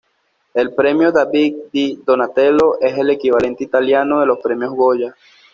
El premio David di Donatello es el equivalente italiano de los Premios Goya.